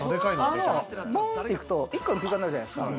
ボンっていくと、１個の空間になるじゃないですか。